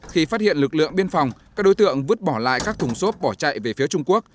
khi phát hiện lực lượng biên phòng các đối tượng vứt bỏ lại các thùng xốp bỏ chạy về phía trung quốc